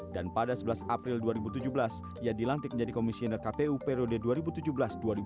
dan pada sebelas april dua ribu tujuh belas ia dilantik menjadi komisioner kpu periode dua ribu tujuh belas dua ribu dua puluh dua